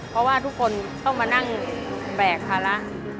เพราะว่าทุกคนต้องมานั่งแบกภาระ